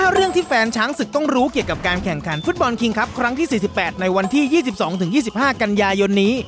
เรื่องที่แฟนช้างศึกต้องรู้เกี่ยวกับการแข่งขันฟุตบอลคิงครับครั้งที่๔๘ในวันที่๒๒๒๕กันยายนนี้